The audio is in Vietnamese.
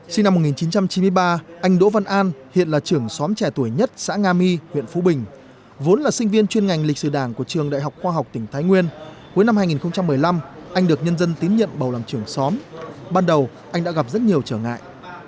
sinh năm một nghìn chín trăm chín mươi ba anh đỗ văn an hiện là trưởng xóm trẻ tuổi nhất xã nga my huyện phú bình vốn là sinh viên chuyên ngành lịch sử đảng của trường đại học khoa học tỉnh thái nguyên cuối năm hai nghìn một mươi năm anh được nhân dân tín nhận bầu làm trưởng xóm ban đầu anh đã gặp rất nhiều trở ngại